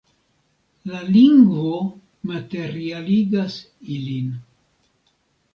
La lingvo materialigas ilin.